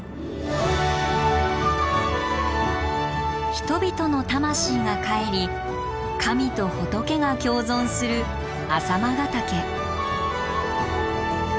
人々の魂が還り神と仏が共存する朝熊ヶ岳。